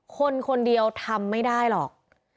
คนคนเดียวทำไม่ได้หรอก